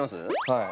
はい。